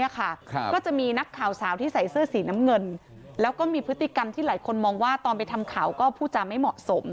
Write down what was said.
ก็จะมีนักข่าวสาวที่ใส่เสื้อสีน้ำเงินแล้วก็มีพฤติกรรมที่หลายคนมองว่าตอนไปทำข่าวก็ผู้จำไม่เหมาะสม